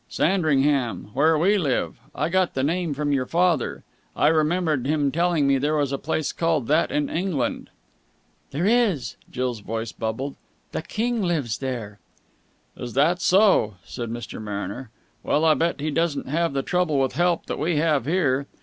"Sandringham. Where we live. I got the name from your father. I remember him telling me there was a place called that in England." "There is." Jill's voice bubbled. "The King lives there." "Is that so?" said Mr. Mariner. "Well, I bet he doesn't have the trouble with help that we have here.